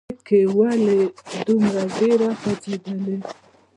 ځمکې! ولې دومره ډېره خوځېدلې؟